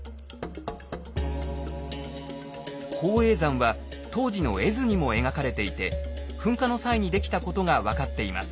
宝永山は当時の絵図にも描かれていて噴火の際にできたことが分かっています。